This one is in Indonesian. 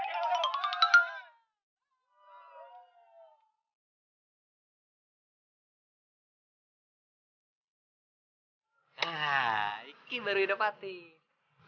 nah ini baru yang dapetin